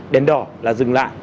đèn đỏ là dừng lại